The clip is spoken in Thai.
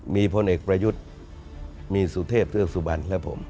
มีพลเอกประยุทธ์มีสุเทพเทือกสุบันและผม